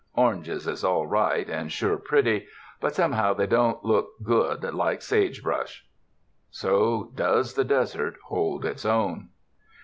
Oranges is all right and sure pretty; but, somehow, they don't look good like sagebrush." So does the desert hold its own.